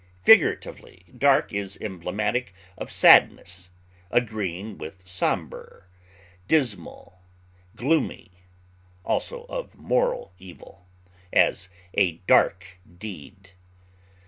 Figuratively, dark is emblematic of sadness, agreeing with somber, dismal, gloomy, also of moral evil; as, a dark deed.